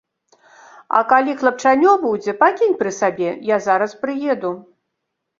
А калі хлапчанё будзе, пакінь пры сабе, я зараз прыеду.